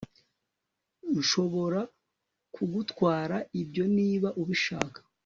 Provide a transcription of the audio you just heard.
Nshobora kugutwara ibyo niba ubishaka